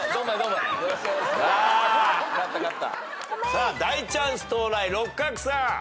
さあ大チャンス到来六角さん。